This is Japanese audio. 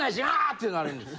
ってなるんです。